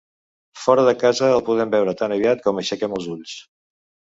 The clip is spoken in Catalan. Fora de casa el podem veure tan aviat com aixequem els ulls.